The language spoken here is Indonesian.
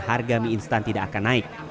harga mie instan tidak akan naik